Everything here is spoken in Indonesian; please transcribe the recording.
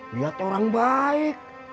liat orang baik